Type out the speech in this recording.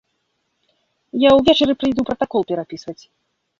Я ўвечары прыйду пратакол перапісваць.